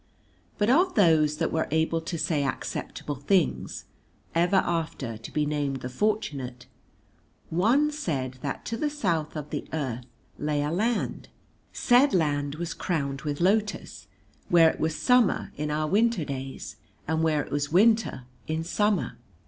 But of those that were able to say acceptable things, ever after to be named The Fortunate, one said that to the South of the Earth lay a Land said Land was crowned with lotus where it was summer in our winter days and where it was winter in summer.